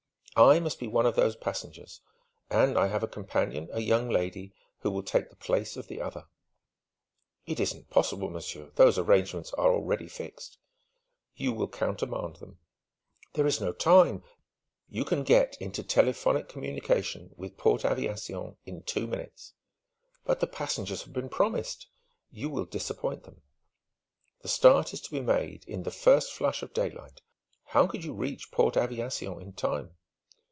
"I must be one of those passengers; and I have a companion, a young lady, who will take the place of the other." "It isn't possible, monsieur. Those arrangements are already fixed." "You will countermand them." "There is no time " "You can get into telephonic communication with Port Aviation in two minutes." "But the passengers have been promised " "You will disappoint them." "The start is to be made in the first flush of daylight. How could you reach Port Aviation in time?"